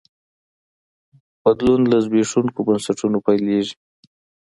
بدلون له زبېښونکو بنسټونو پیلېږي.